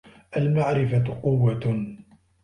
المعرفة قوة.